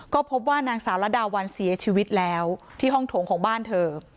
ก็พบว่านางสาวระดาวันเสียชีวิตแล้วที่ห้องโถงของบ้านเธอ